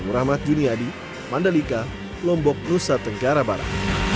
muhammad juniadi mandalika lombok nusa tenggara barat